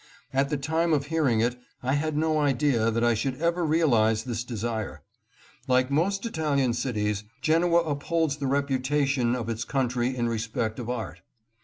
At the time of hearing it I had no idea that I should ever realize this desire. Like most Italian cities, Genoa upholds the reputation of its country in respect of art.